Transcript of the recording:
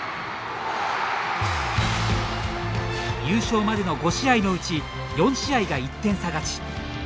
優勝までの５試合のうち４試合が１点差勝ち。